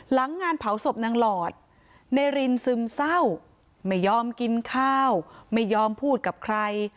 หลังงานเผาศพนางหลอดนายรินซึมเศร้าไม่ยอมกินข้าวไม่ยอมพูดกับใคร